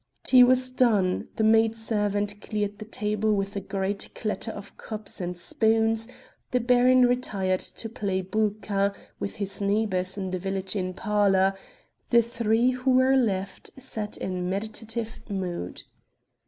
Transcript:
Tea was done; the maid servant cleared the table with a great clatter of cups and spoons, the baron retired to play Bulka with his neighbors in the village inn parlor; the three who were left sat in meditative mood.